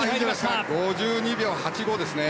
５２秒８５ですね。